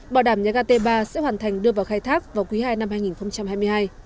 bảo đảm nhà ga t ba sẽ hoàn thành đưa vào khai thác vào quý ii năm hai nghìn hai mươi hai